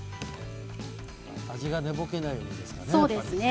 味が寝ぼけないようにですね。